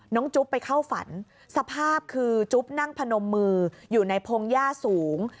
จุ๊บไปเข้าฝันสภาพคือจุ๊บนั่งพนมมืออยู่ในพงหญ้าสูง